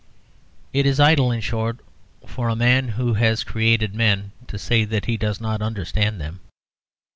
It is idle, in short, for a man who has created men to say that he does not understand them.